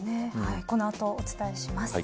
この後お伝えします。